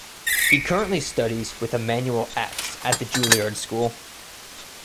He currently studies with Emanuel Ax at the Juilliard School.